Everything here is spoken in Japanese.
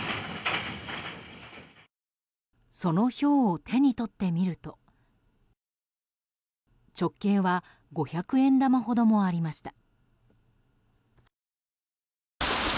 そのひょうを手に取ってみると直径は五百円玉ほどもありました。